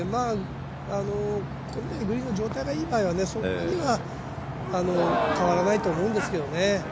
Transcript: グリーンの状態がいい場合はそんなには変わらないと思うんですけどね。